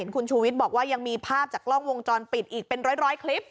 คุณชูวิทย์บอกว่ายังมีภาพจากกล้องวงจรปิดอีกเป็นร้อยคลิป